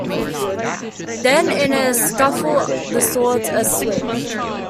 Then, in a scuffle, the swords are switched.